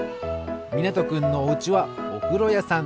みなとくんのおうちはおふろやさん。